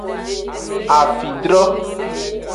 Afidro.